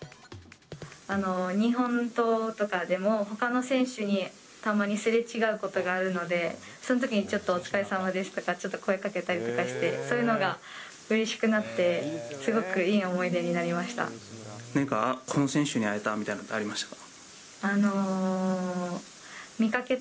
日本棟とかでも、ほかの選手にたまにすれ違うことがあるので、そのときにちょっと、お疲れさまですとか、ちょっと声かけたりとかして、そういうのがうれしくなって、何か、この選手に会えたみたいなのありましたか？